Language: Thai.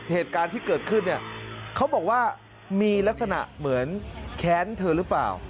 เหตุการณ์ที่เกิดขึ้นเนี่ยเขาบอกว่ามีลักษณะเหมือนแค้นเธอหรือเปล่า